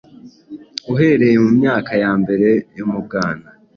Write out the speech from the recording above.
Uhereye mu myaka ya mbere yo mu bwana,